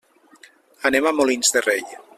Anem a Molins de Rei.